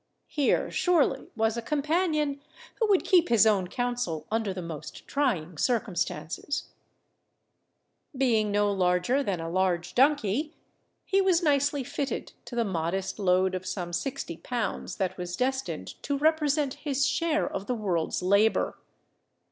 Here, surely, was a companion who would keep his own counsel under the most trying circumstances. 342 OVERLAND TOWARD CUZCO Being no larger than a large donkey, he was nicely fitted to the modest load of some sixty pounds that was destined to represent his share of fthe world's labor.